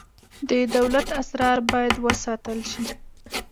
د دولت اسرار باید وساتل شي